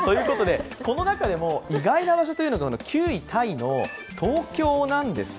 この中でも意外な場所が９位タイの東京なんですね。